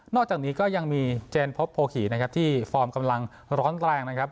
อกจากนี้ก็ยังมีเจนพบโพขี่นะครับที่ฟอร์มกำลังร้อนแรงนะครับ